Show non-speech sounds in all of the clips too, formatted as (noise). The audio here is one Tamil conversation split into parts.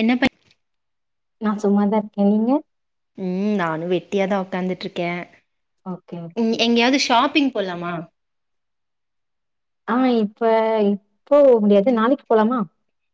என்ன பன் நா சும்மாதா இருக்கே நீங்க ம் நானு வெட்டியாதா உக்காந்துட்ருக்கே ஓகே ம் ஓகே எங்கயாது ஷாப்பிங் போலாமா ஆ இப்ப இப்போ முடியாது நாளைக்கி போலாமா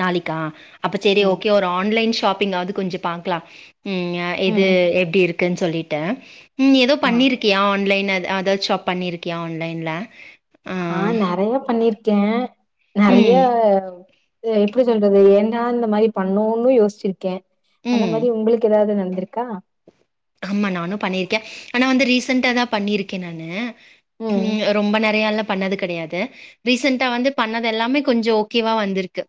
நாளிக்கா அப்ப செரி ம் ஓகே ஒரு ஆன்லைன் ஷ் ஷாப்பிங்கா அது கொஞ்ச பாக்கலா ம் அ இது ம் எப்டி இருக்குன்னு சொல்லிட் டேஷ் ம் ஏதோ ஆ பண்ணிருக்கியா ஆன்லைன் அது அத ஷாப் பண்ணிருக்கியா ஆன்லைன்ல ஆ நெறைய பண்ணிருக் க்கே நெறைய ம் இத எப்டி சொல்றது ஏந்தா இந்த மாரி பண்ணோன்னு யோசிச்சிருக்கே அந்த ம் மாதரி உங்களுக்கு ஏதாவது நடந் இருக்கா ன்ட்டாதா பண்ணியிருக்கே நானு ம் ரொம்ப நெறையால்ல பண்ணது கெடையாது ரீசண்டா வந்து பண்ணது எல்லாமே கொஞ்ச ஓகேவா வந்திருக்கு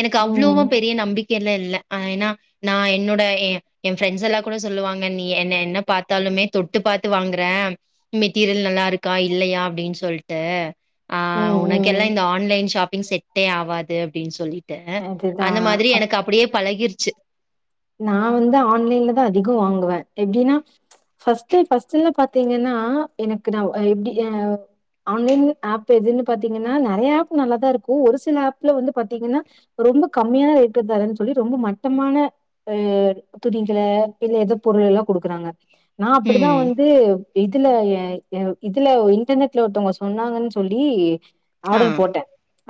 எனக்கு ம் அவ்ளோவா பெரிய நம்பிக் க்க எல்லா இல்ல ஆ ஏன்னா நா என்னோட ஏன் என் ப்ரெண்ட்ஸ் எல்லா கூட சொல்லுவாங் ம்மா நீ என்ன - என்ன பாத்தாலுமே தொட்டு பாத்து வாங்குற மெட்டீரியல் நல்லா இருக்கா இல்லையா அப்டின்னு சொல்ட்டு ஆ ம் உனக்கெல்லா ம் இந்த ஆன்லைன் ஷாப்பிங் செட் பே ஆவாது அப்டின்னு சொல்லி ட்டே அதுதா அந்த மாதிரி அப் எனக்கு அப்டியே பழகிருச்சு நா வந்து ஆன்லைன்லதா அதிகோ வாங்குவே எப்டின்னா ஃபஸ்ட் - ஃபஸ்ட்டுனு பாத்தீங்கன்னா எனக்கு நா எப்டி ஆ ஆன்லைன் ஆப் எதுன்னு பாத்தீங்கன்னா நெறைய ஆப் நல்லாதா இருக்கு ஒரு சில ஆப்ல வந்து பாத்தீங்கன்னா ரொம்ப கம்மியான ரேட்ல தரன்னு சொல்லி ரொம்ப மட்டமான ஆ துணிகள பின்ன ஏதோ பொருள் எல்லாம் குடுக்குறாங்க நா அப்டிதா ம் வந்து இதுல ஏ-ஏ இதுல இன்டர்நெட்ல ஒருத்தவங்க சொன்னாங்கன்னு சொல்லி ஆ ஆடர் போட்டே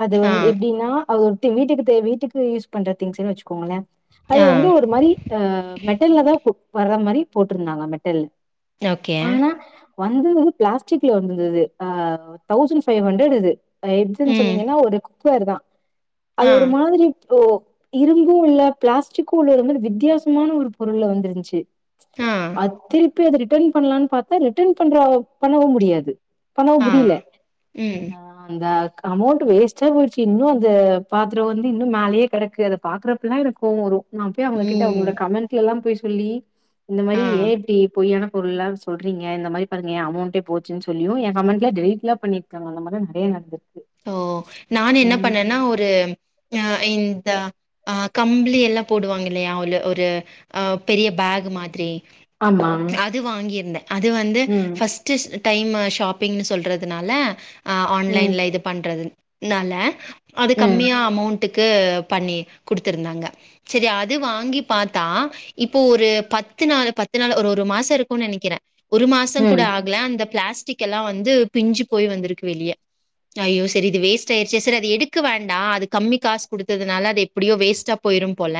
அது ஆ வந்து எப்டின்னா அது ஒரு த்து வீட்டுக்கு தே வீட்டுக்கு யூஸ் பண்ற திங்க்ஸ்னு வச்சுக்கோங்களே அது ஆ வந்து ஒரு மாரி ஆ மெட்டல்லதா க்கு வற மாரி போட்ருந்தாங்க மெட்டல் ஓகே ஆனா வந்துது பிளாஸ்டிக்ல வந்திருந்துது ஆ தௌசண்ட் ஃபைவ் ஹண்ட்ரட் அது எதுன்னு ம் சொன்னீங்கன்னா ஒருக் பேருதா அது ஆ ஒரு மாதிரி ஓ இரும்பும் இல்ல பிளாஸ்டிக்கும் இல்ல ஒரு மாரி வித்தியாசமான ஒரு பொருள்லா வந்துருச்சு ஆ அத்திரு (unintelligible) ரிட்டர்ன் பண்லான்னு பாத்தா ரிட்டர்ன் பண்ற பண்ணவு முடியாது பண்ணவு ஆ முடில ம் ஆ அந்த அமௌண்ட் வேஸ்ட்டா போயிடுச்சு இன்னு அந்த பாத்ரோ வந்து இன்னு மேலயே கெடக்கு அத பாக்குறப்பல்லா எனக்கு கோவோ வரு அப்யே அவங்க கிட்ட ம் அவங்களோட கமெண்ட்லலா போயி பிள்ளி இந்த ஆ மாரி ஏன் இப்டி பொய்யான பொருள்லா சொல்றீங்க இந்த மாரி பாருங்க அமௌண்ட்டே போச்சுன்னு சொல்லியு ஏன் கமெண்ட்லா டெலிட்லா பண்ணிருக்காங்க அந்த மாரி நெறைய நடந்திருக்கு ஓ நான் என்ன ம் பண்ணேன்னா ஒரு ஆ இந்த அ கம்ப்ளி எல்லா போடுவாங்க இல்லையா உள் ஒரு அ பெரிய பேக் மாதிரி ஆமா அது வாங்கியிருந்தே அது வந்து ம் ஃபஸ்ட்டு டைம் ஷாப்பிங்ன்னு சொல்றதுனால ஆ ம் ஆன்லைன்ல இது ன்றது நால அது ம் கம்மியா அமௌண்ட்டுக்கு பண்ணி குடுத்திருந்தாங்க சரி அது வாங்கி பாத்தா இப்போ ஒரு பத்து நாள்- பத்து நாள் ஒரு- ஒரு மாசம் இருக்குன்னு நெனைக்கிறே ஒரு மாசம் கூட ம் ஆகல அந்த பிளாஸ் த்திக்கி எல்லா வந்து பிஞ்சு போய் வந்திருக்கு வெளிய ஐயோ செரி இது வேஸ்ட் ஆயிருச்சே சரி அது எடுக்க வேண்டா அது கம்மி காசு குடுத்ததுனால அது எப்டியு வேஸ்ட்டா போயிரும் போல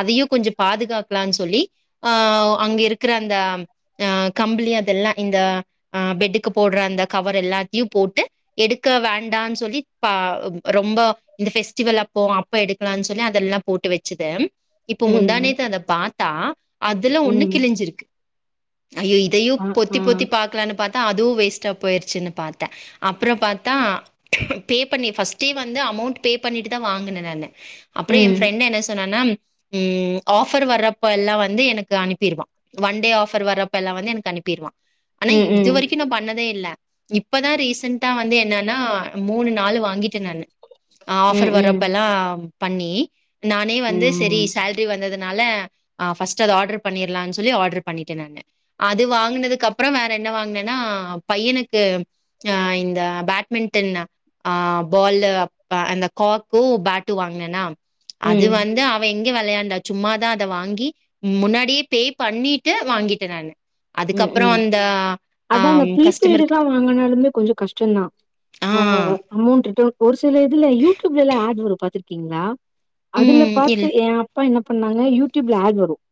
அதையு கொஞ்ச பாதுகாக்கலான்னு சொல்லி ஆ அங்க இருக்கிற அந்த ஆ கம்பிளி அதெல்லா இந்த ஆ பெட்டுக்கு போடுற அந்த கவர் எல்லாத்தையு போட்டு எடு க்க வேண்டான்னு சொல்லி பா ரொம்ப இந்த பெஃஸ்டிவல் அப்போ அப்ப எடுக்கலாம்னு சொல்லி அதெல்லா போட்டு வச்சது இப்ப முந்தா ம் நேத்து அத பாத் தா அதுல ஒண்ணு ம் கிழிஞ்சிருக்கு ஐயோ இதையோ ஆ ஆ பொத்தி- பொத்தி பாக்கலாம்னு பாத்தா த அதுவும் வேஸ்ட்டா போயிருச்சுன்னு பாத்த அப்புறோ பாத் தா பே பண்ணி ஃபர்ஸ்ட்டே வந்து அமௌண்ட் பே பண்ணிட்டு தா வாங்குனே நானு அப்புறோ என் ம் ஃப்ரெண்ட் என்ன சொன்னானா ம் ஆஃபர் வரப்பல்லா வந்து எனக்கு அனுப்பிருவான் ஒன் டே ஆஃபர் வரப்பல்லா வந்து எனக்கு அனுப்பிதருவான் ஆனா ம் இது ம் வரைக்கோ நா பண்ணதே இல்ல இப்பதா ரீசண்டா வந்து என்னன்னா மூணு நாளு வாங்கிட்டே நானு ம் ஆஃபர் ம் வரபெல்லாம் பண்ணி நானே வந்து செரி ம் சேலரி வந்தது னால ஹ ஃபர்ஸ்ட்டு அத ஆர்டரு பண்ணிடலானு சொல்லி ஆர்டர் பண்ணிட்டேன் நானு அது வாங்குனதுக்கு அப்ரோ வேற என்ன வாங்குன்னேன்னா பையனுக்கு ஹ இந்த அ பேட்மிண்டன் ஆ பால்லு அப் அந்த காக்கு பேட்டு வாங்குனேனா அது ம் வந்து அவ எங் (unintelligible) வெளையாண்ட சும்மாதா அத வாங்கி முன்னாடியே பே பண்ணிட்டு வாங்கிட்ட நானு ம் அதுக்கப்புறம் ம் அந்த அதா அந்த ஆம் ப்ரீபெய்ட் கஸ்டமருக்கு தா வாங்குனாலுமே கொஞ்சோ கஷ்டம் தா ஆ (unintelligible) ஒரு சில இதுல யூடியூப்லலா ஆட் வரும் பாத்திருக்கீங்ளா அதுல ம் பாத்து இல் என் அப்பா என்ன பண்ணாங்க யூடூப்ல ஆட் வரும்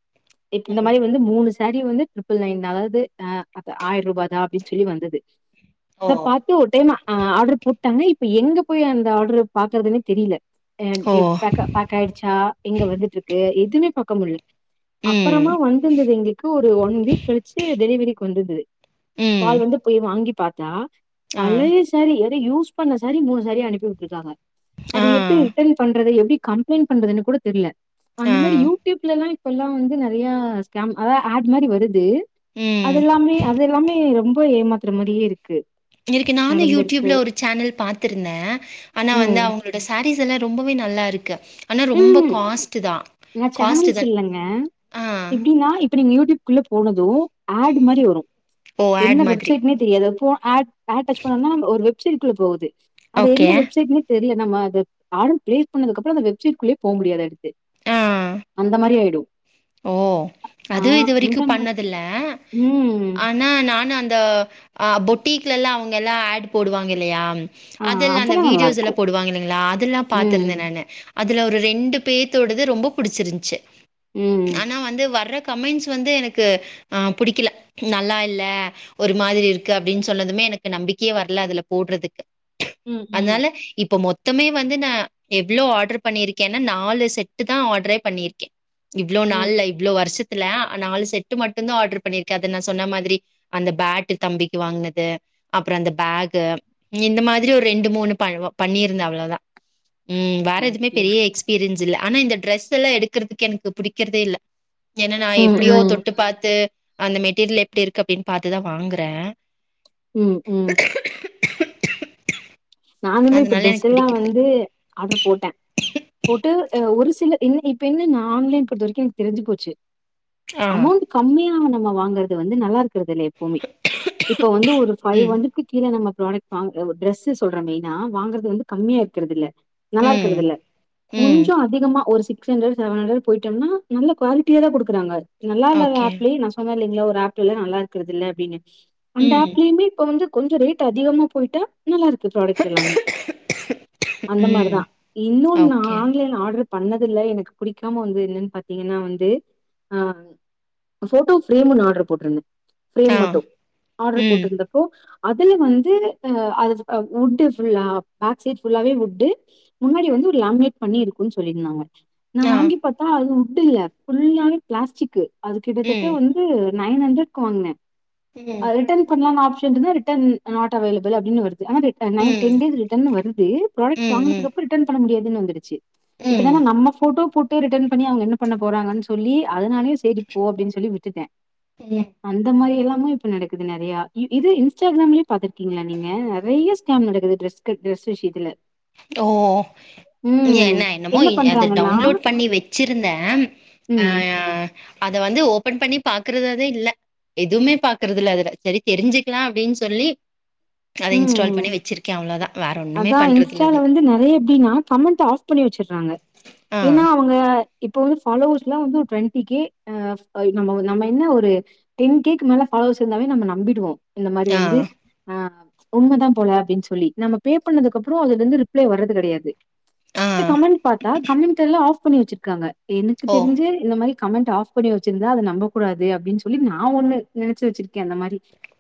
இப்ப இந்த ம். மாரி வந்து மூணுஸ் (unintelligible) வந்து இல்லைங் அதாவது ஹ அப் ஆயிர்ரூபா தா அப்டின்னு சொல்லி வந்துது ஓ. அத பார்த்து ஒரு டைம் ஆ ஆர்டர் போட்டாங்கனா இப் இப்ப எங்க போயி அந்த ஆர்டரு பாக்குறதுனே தெரில அண்ட் ஓ ப் பேக்க-பேக்காயிடுச்சா எங்க வந்துட்ருக்கு எதுமே க்கமுள்ள ம். அப்பறமா வந்திருந்தது எங்களுக்கு ஒரு ஒன் வீக் சே டெலிவெரி கொண்டுது ம். கால் வந்து போய் வாங்கி பாத்தா ஆ, பழைய சேரி எத் இது யூஸ் பண்ண சாரி மூணு சாரி அனுப்பி உட்ருக்காங்க அத ஆ, எப்டி ரிட்டர்ன் பண்றது எப்டி கம்ப்ளைண் பண்றதுன்னு கூட தெர்ல அந்த ஆ. மாரி யூடியூப்லல்லா இப்பல்லா வந்து நெறைய ஸ்கேம் அதா ஆட் மாரி வருத் தே ம். அதெல்லாமே- அதெல்லாமே ரொம் இப்ப ஏமாத்துற மாரியேருக்கு இன்னைக்கி நானு யூடியூப்ல ஒரு சேனல் பாத்திருந்தே ஆனா வந்து ம். அவங்களோட சாரீஸ் இதெல்லா ரொம்பவே நல்லாருக்கு ம் நா காஸ்ட் சேனல் தான். சொல்லங்க ஆ. எப்டின்னா இப்ப நீங்க யூடியூப்க்குள்ள போனது ஆட் ம். மாரி வரு ஓ! என்ன ஆட் மாதிரி. வெப்சைட்னே தெரியாது போ ஆட் ஆட் டச் பண்ணுனன்னா ஒரு வெப்சைட் க்குல போகுது அது என்ன ஓகே. வெப்சைட்னு தெரில நம்ம அது ஆட் பிளே பண்ணதுக்கப்புறம் அந்த வெப் சிற்குள்ளயே போமுடியாது அடுத் ஆ. (unintelligible) அந்த மாரி ஆயிடு ஓ ஆ அது இதுவரைக்கு அந்த மா பண்ணதில்ல ம். ஆனா நானு அந் ந்த ஆ பொட்டீக்லல்ல அவங்க எல்லா ஆட் போடுவாங்க இல்லையா ஆ அதெல்லா அந்த வீடியோஸ் நல்லாருக்கு. எல்லாம் போடுவாங்க இல்லைங்ளா அதெல்லா பாத்திருந்தே ம், நானு அதுல ஒரு ரெண்டு பேத்தோடது ரொம்ப புடிச்சிருந்துச்சு ஆனா ம். வந்து வர்ற கமெண்ட்ஸ் வந்து எனக்கு ஆ புடிக்கல நல்லா இல்ல ஒரு மாதிரி இருக்கு அப்படின் சொன்னதுமே எனக்கு நம்பிக்கையே வரல அதுல போடுறதுக்கு ம், ம், அதனால இப்ப மொத் மொத்தமே வந்து நான் எவ்ளோ ஆர்டர் பண்ணிருக்கேன்னா நாலு செட்டுதா ஆர்டரே பண்ணிருக்கே இவ்ளோ ம். நாள்ல இவ்ளோ வருஷத் த்துல நாலு செட்டு மட்டு்ந்தான் ஆர்டர் பண்ணிருக்கே அது நா சொன்ன மாதிரி அந்த பேட்டு தம்பிக்கு வாங்குனது அப்றோ அந்த பேகு இந்த மாதிரி ஒரு ரெண்டு மூணு ப பண்ணியிருந்தே அவ்ளவுதா உம் வேற எதுமே ஓகே. பெரிய எக்ஸ்பீரியன்ஸ் தில்ல ஆனா இந்த டிரெஸ்ஸெல்லா எடுக்குறதுக் க்கு எனக்கு பிடிக்கறதே இல்ல என்னனா ம், எப்டியோ ம், தொட்டு பாத்து அந்த மெட்டீரியல் எப்டி இருக்கு அப்டின்னு பாத்துதா வாங்கறே ம் ம் நானுமே இப்ப அதனால ட்ரெஸ் எனக்கு எல்லா பிடிக்கிறது வந்து ஆர்டர் போட்டேன் போட்டு ஆ ஒரு ஸ் இல்ல இன் இப்ப என்னன்னா ஆன்லைன் பொறுத்த வரைக்கு எனக்கு தெரிஞ்சு போச்சு ஆ அமௌண்ட் கம்மியான நா வாங்குறது வந்து நல்லா இருக்கு ருக்கறதில்ல எப்பவுமே இப்ப வந்து ஒரு ஃபைவ் ம் ஹண்ட்ரெட்க்கு கீழ நம்ம புராடக்ட் வாங்கி ஆ டிரெஸ்ஸஸ் சொல்ற மெய்னா வாங்குறது வந்து கம்மியா இருக்குறது இல்ல ம் நல்லாருக்குறது இல்ல, ம் கொஞ்சோ அதிகமா ஒரு சிட் சிக்ஸ் ஹண்ட்ரட் செவன்ஹண்ட்ரட் போயிட்டோம்னா நல்ல குவாலிட்டியாதா குடுக்குறாங்க நல்லா இல்லாத ஓகே ஆப்லயு நான் சொன்னே இல்லைங் இல்ல ஒரு ஆப்புல நல்லா இருக்குரது இல்ல அப்டின்னு அந்த ம் ஆப்லயுமே இப்ப வந்து கொஞ்ச ரேட் அதிகமா போயிட்டா நல்லாருக் (unintelligible) ப்ராடக்ட் எல்லாமே அந்த ம் மாரிதா இன்னு நா ஓகே ஆன்லைன் ஆர்டர் பண்ணது இல்ல எனக்கு பிடிக்காம வந்து என்னன்னு பாத்தீங்கன்னா வந்து ஆ ஃபோட்டோ ஃபிரேம் ஒண்ணு ஆர்டர் போட்டருந்தே ஃபிரேம் ஆ மட்டு ஆர்டர் ம் போட்ருந்தப்போ அதுல வந்து ஆ அத் அ வுட் ஃபுல்லா பேக் சைட் ஃபுல்லாவே வுட்டு முன்னாடி வந்து ஒரு லேமனேட் பண்ணி இருக்குன்னு சொல்லிருந்தாங்க நா ஆ வாங்கிப் பாத்தா அதுவு வுட் இல்ல புல்லாவே பிளாஸ்டிக்கு அது கிட்டதட்ட ம் வந்து நைன் ஹண்ட்ரட்க்கு வாங்குனே ம் அது ரிட்டன் பண்லான்னு ஆப்ஸ் ரிட்டன் இருந்தா ரிட்டன் நாட் அவைலபிள் அப்டின்னு வருது து ஆனா ரிட் ஆ நைன் டென் ம் டேஸ் ரிட்டர்ன்னு வருது ப்ராடக்ட் ம் வாங்குனதுக்கு ம் அப்றோ ரிட்டன் பண்ண முடியாது (unintelligible) வந்துடுச்சு இப்ப ம் என்னன்னா நம்ம ஃபோட்டோ போட் ட்டு ரிட்டன் பண்ணி அவங்க என்ன பண்ணப் போறாங்கன்னு சொல்லி அதனாலயே சேரி போ அப்டின்னு சொல்லி விட் ட்ருக்கேன் ம் அந்த மாரி எல்லா இது மாரி இப்ப நடக்குது நெறையா இது இன்ஸ்டாகிராம்லயு பாத்துருக்கீங்களா நீங்க நெறைய ஸ்கேம் நடக்குது டிரெஷ்கு டிரெஸ் விஷயத்துல ஓ ம் என்ன என்னமோ அது பண்றாங்கன்னா டவுன்லோட் பண்ணி வச்சிருந்தேன் ம் அஹ் அத வந்து ஓப்பன் பண்ணி பாக்குறதாவே இல்ல எதுவுமே பாக்குறதுல்ல அதுல சரி தெரிஞ்சுக்கலாம் அப்டின்னு சொல்லி அத இன்ஸ்டால் ம் பண்ணி வச்சிருக்கேன் அவ்ளோதான் வேற ஒண்ணுமே பண்றத் ஸ்டால வந்து நெறைய எப்டின்னா கமெண்ட் ஆஃப் பண்ணி வச்சற்றாங்க ஆ ஏன்னா அவங்க ப்ப இப்ப வந்து பாலோவர்ஸ்லாம் வந்து ட்வெண்டி கே ஹ நம்ம-நம்ம என்ன ஒரு டென் கேக்கு மேல ஃபாலோவர்ஸ் இருந்தாலே நம்ம நம்பிடுவோ இந்த மாரி ஆ வந்து ஆஹ் உண்மதான் போல அப்டின் சொல்லி நம்ம பே பண்ணதுக்கப்புறம் அதுலருந்து ரிப்ளை வரது கெடையாது ஆ கமெண்ட் பாத்தா கமெண்ட் எல்லாம் ஆஃப் பண்ணி வச்சிருக்காங்க எனுக்கு ஓ தெரிஞ்சு இந்த மாரி கமெண்ட் ஆஃப் பண்ணி வச்சிருந்தா அத நம்பக்க கூடாது அப்டின் சொல்லி நான் ஒன்னு நெனைச்சு வச்சிருக்கேன் அந்த மாரி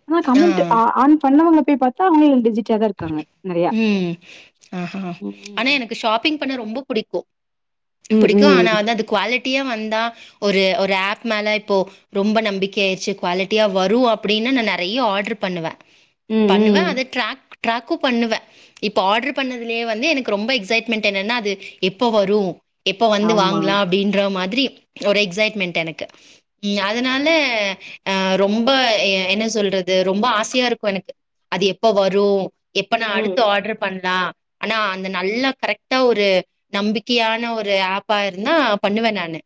ஆனா கமெண்ட் ஆ ஆன் பண்ணவங்க (unintelligible) (unintelligible) உம் ஆஹ்ஹா ஆனா ம். எனக்கு ஷாப்பிங் பண்ண -ரொம்பப் புடிக்கும் ம், புடிக்கும் ஆனா ம். அந்த அது குவாலிட் டியா வந்தா ஒரு -ஒரு ஆப் மேல இப்போ ரொம்ப நம்பிக்க ஆய்ருச்சு குவாலிட்டியா வரும் அப்படின்ன நா நெறைய ஆர்டர் பண்ணுவ ம், பண்ணுவ ம். அத ட்ராக் ட்ராக்கும் பண்ணுவே இப்போ ஆட்ரு பண்ணதுலயே வந்து எனக்கு ரொம்ப எக்ஸைட்மெண்ட் என்னன்னா அது எப்போ வரும் எப்ப வந்து ஆமா. வாங்லாம் அப்டின்ற மாதிரி ஒரு எக்ஸைட்மென்ட் எனக்கு ம் அதனால அஹ் ரொம்ப என்ன சொல்றது ரொம்ப ஆசையா இருக்கும் எனக்கு அது எப்ப வரும் எப்ப நா ம். அடுத்து ஆட்ர் பண்லாம் ஆனா அந்த நல்ல கரெக்ட்டா ஒரு நம்பிக்கையான ஒரு ஆப்பா இருந்தா பண்ணுவேன் நானு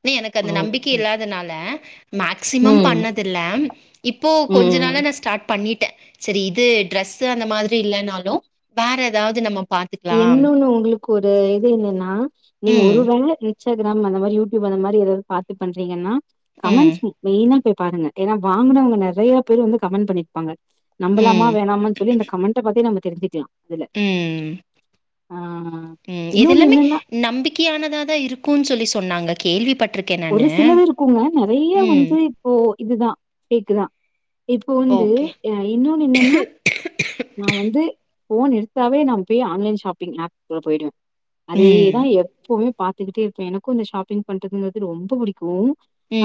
(unintelligible) எனக்கு அந்த நம்பிக்க ஓகே. இல்லாதனால மேக்சிமம் ம், பண்ணதில்ல இப்போ கொஞ்ச ம். நாள நான் ஸ்டார்ட் பண்ணிட் ட்ட சரி இது ட்ரெஸ் (unintelligible) அந்த மாதிரி இல்லனாலும் வேற எதாவது நம்ம பாத்துக்கலாம். என்னன்னு உங்களுக்கு ஒரு இது என்னன்னா நீங்க ம், ஒரு வேல இன்ஸ்டாக்ராம் அந்த மாரி யூடியூப் அந்த மாரி எதாவது பாத்து பண்றீங்கன்னா கமெண்ட்ஸ் ம் மெய்னா கேக் பாருங்க ஏனா வாங்குனவங்க நெறைய பேரு வந்து கமெண்ட் பண்ணிருப்பாங்க ம், நம்பளமா வேணாமன்னு சொல்லி இந்த கமெண்ட பாத்தே நம்ம தெரிஞ்சிக்கலா ம் ஆ ம் இன்னொன்னு இதெல்லாமே என்னன்னா நம்பிக்கையானதா தா இருக்கும்னு சொல்லி சொ சொன்னாங்க கேள்விப்பட் ஒரு சிலதுயிருக்கோங்க நெறைய ம். வந்து இப்போ இதுதா ஃபேக்கு தான் இப்போ வந்து ஓகே. இன்னோன்னு என்னன்னா நா வந்து போன் எடுத்தாவே நா போய் ஆன்லைன் ஷாப்பிங் ஆப்குள்ள போயிடுவே அதேதா ம். எப்பவும் பார்த்துக்கிட்டே இருக்கே எனக்கு இந்த ஷாப்பிங் பண்றது (unintelligible) ரொம்ப புடிக்கோ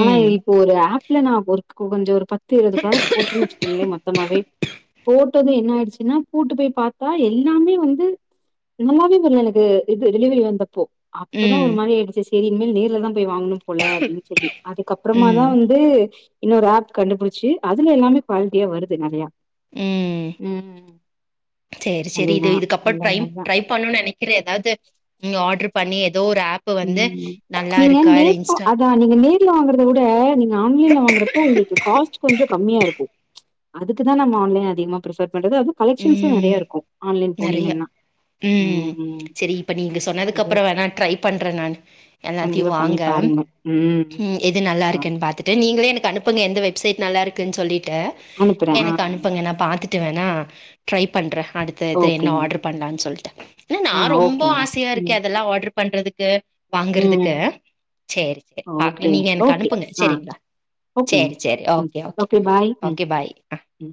ஆனா இப்போ ஒரு ஆப்ல நா ஒர்க் (unintelligible) பத்து இருவது ப்ராடக்ட் போட்டன்னு வச்சிக்கீங்களே மொத்தமாவே போட்டது என்ன ஆயிடுச்சுன்னா கூட்டு போய் பார்த்தா எல்லாமே வந்து நல்லாவே வரல எனக்கு இது டெலிவரி வந்தப்போ அப்பதா ஒரு ம். மாரி ஆடுச்சு ஸ் செரி இனிமேல் நேர்ல தா போய் வாங்கனும் போல அப்டின்னு சொல்லி அதுக்கப்புறமா தா ம். வந்து இன்னொரு ஆப் கண்டுபிடிச்சு அதுல எல்லாமே க்வாலிட்டியா வருது நறையா ம் செரி-செரி இது அதேதா இதுக்கப்புறோ அந்த மாரிதா ட்ரை பண்ணநோன்னு நினைக்கிற ஏதாவது ஆர்டரு பண்ணியத் ம் நீங்க இல்ல நேர்ல இன்ஸ்டால் அதா நீங்க நேர்ல வாங்குறதவிட நீங்க ஆன்லைன்ல வாங்குறப்போ உங்களுக்கு காஸ்ட் கொஞ்சோ கம்மியாயிருக்கோ அதுக்குதா நம்ம ஆன்லைன்ன அதிகமா ப்ரிபர் (unintelligible) கலெக்க்ஷன்ஸ்யும் நெறையா ம். இருக்கு ஆன்லைன் நெறைய. போனீங்கனா ம். சரி இப்ப நீங்க சொன்னதுக்கு அப்புறம் வேணா (unintelligible) எல்லாத்தையும் வாங்க ம் எது ஆ நல்லாருக்குன் பாத்துட்டு நீங்களே எனுக்கு அனுப்புங்க எந்த வெப்சைட் நல்லாருக்குன்னு சொல்லிட்டு அனுப்புறே (unintelligible) ஆ எனுக்கு அனுப்புங்க நா பாத்துட்டுவேணா ட்ரை பண்ற அடுத்தது என்ன ஓகேங்க ஆர்டர் பண்ணலாம்னு சொல்லிடு நா ஆ ரொம்ப ஓகேங்க ஆசையா இருக்கே ம் அதெல்லா ஆர்டர் பண்றதுக்கு வாங்குறதுக்கு ம் செரி செரி பாக்கலா ஓகேங்க நீங்க எனுக்கு ஓகே அனுப்புங்க ஆ செரிங்களா ஓகேங்க செரி செரி ம் ஓகே ஓகே பாய் ம் ஓகே பாய் ஆ ம்